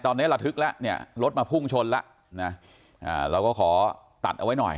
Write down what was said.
ตอนนี้ระทึกแล้วเนี่ยรถมาพุ่งชนแล้วนะเราก็ขอตัดเอาไว้หน่อย